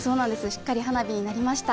しっかり花火になりました。